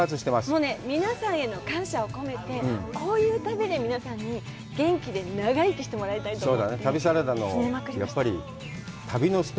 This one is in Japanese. もうね、皆さんへの感謝を込めて、こういう旅で皆さんに元気で長生きしてもらいたいと思って。